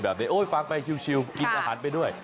แบบนี้ฟังไปชิลกินอาหารไปด้วย